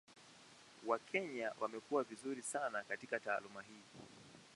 Wakenya wamekuwa vizuri sana katika taaluma hii.